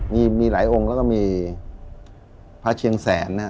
มีหลายองค์แล้วก็มีพระเชียงแสน